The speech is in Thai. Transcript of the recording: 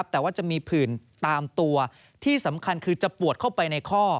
แต่ว่าจะมีผื่นตามตัวที่สำคัญคือจะปวดเข้าไปในข้อ